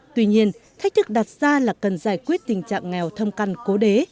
tuy nhiên thách thức đặt ra là cần giải quyết tình trạng nghèo thâm căn cố đế